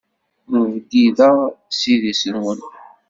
Ur bdideɣ s idis-nwen.